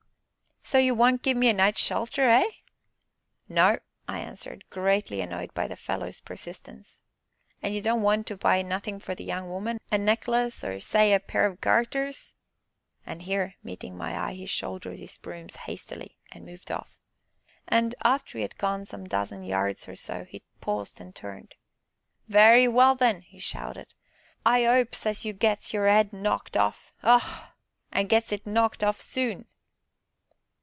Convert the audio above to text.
'" "So you won't gi'e me a night's shelter, eh?" "No," I answered, greatly annoyed by the fellow's persistence. "An' you don't want to buy nothin' for the young woman a necklace or, say a pair o' garters?" But here, meeting my eye, he shouldered his brooms hastily and moved off. And, after he had gone some dozen yards or so, he paused and turned. "Very well then!" he shouted, "I 'opes as you gets your 'ead knocked off ah! an' gets it knocked off soon!"